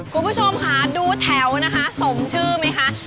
คุณผู้ชมค่ะดูแถวนะคะสมชื่อไหมคะ